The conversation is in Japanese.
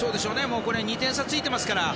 ２点差がついてますから。